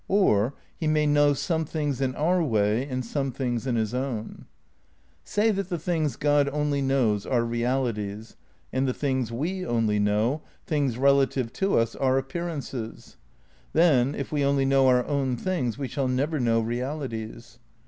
Or Relation he may know some things in our way and some things ^^ in his own. ultimate .. Con Say that the things God only knows are realities, and scious the things we only know, things relative to us, are ap '^®®®" pearances; then, if we only know our own things we shall never know realities.